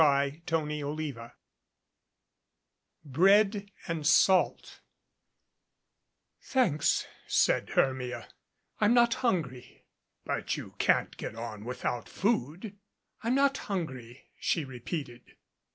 CHAPTER V BREAD AND SALT T HANKS," said Hermia. "I'm not hungry." "But you can't get on without food." "I'm not hungry," she repeated.